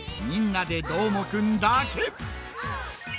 「みんなＤＥどーもくん！」だけ！